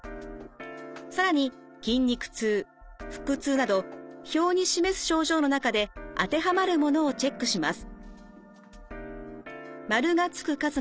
更に筋肉痛腹痛など表に示す症状の中で当てはまるものをチェックします。